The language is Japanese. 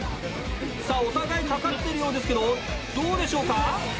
お互いかかっているようですけどどうでしょうか？